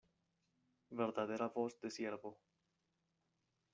verdadera voz de siervo.